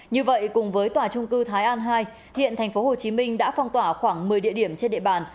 như vậy cùng với tòa trung cư thái an hai hiện tp hcm đã phong tỏa khoảng một mươi địa điểm trên địa bàn